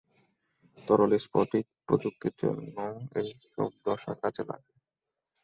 তরল স্ফটিক প্রযুক্তির জন্য এসব দশা কাজে লাগে।